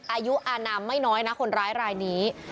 อายุอานามไม่น้อยนะคนร้ายรายนี้